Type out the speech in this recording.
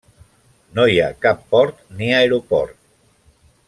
No hi ha cap port ni aeroport.